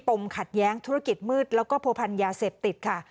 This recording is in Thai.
ปรบมขัดย้างธุรกิจมืดและผว่าโผพรรญยาเสพติศค่ะ